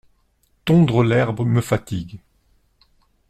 Tondre l’herbe me fatigue.